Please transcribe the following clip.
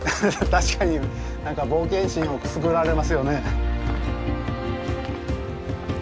確かに何か冒険心をくすぐられますよね。